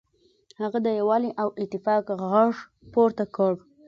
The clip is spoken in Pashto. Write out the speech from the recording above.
هغه د یووالي او اتفاق غږ پورته کړ.